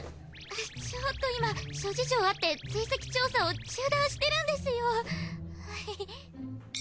ちょっと今諸事情あって追跡調査を中断してるんですよ。